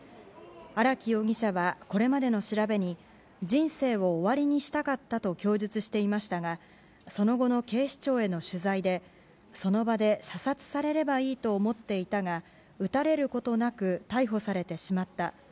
荒木容疑者は、これまでの調べに人生を終わりにしたかったと供述していましたがその後の警視庁への取材でその場で射殺されればいいと思っていたが撃たれることなく逮捕されてしまった。